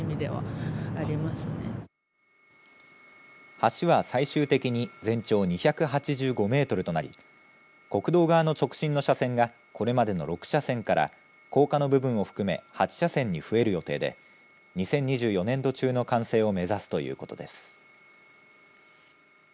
橋は最終的に全長２８５メートルとなり国道側の直進の車線がこれまでの６車線から高架の部分も含め８車線に増える予定で２０２４年度中の完成を目指すということです。